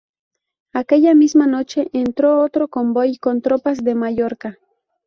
Aquella misma noche entró otro convoy con tropas de Mallorca.